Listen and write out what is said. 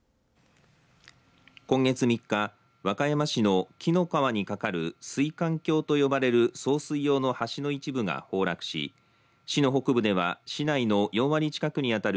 今月３日、和歌山市の紀の川にかかる水管橋と呼ばれる送水用の橋の一部が崩落し市の北部では市内の４割近くに当たる